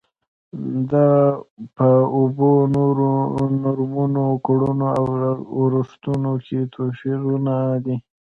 دا په اوبو، نورمونو، کړنو او ارزښتونو کې توپیرونه دي.